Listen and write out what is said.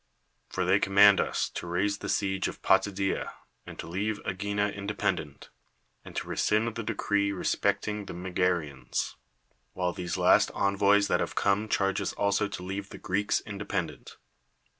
For they com mand us to raise the siege of Potidiea, and to leave ^gina independent, and to rescind the decree respecting the ]Megareans ; while these last envoys that have come charge us also to leave the Greeks independent.